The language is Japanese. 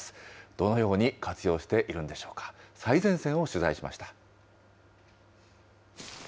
どのように活用しているんでしょうか、最前線を取材しました。